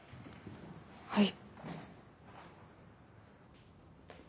はい。